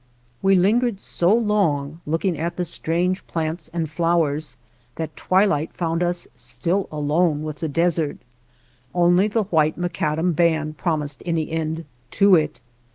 We lingered so long looking at the strange How We Found Mojave plants and flowers that twilight found us still alone with the desert. Only the white macadam band promised any end to it.